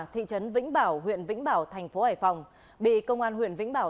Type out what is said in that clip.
thị trấn vĩnh bảo huyện vĩnh bảo tp hải phòng bị công an huyện vĩnh bảo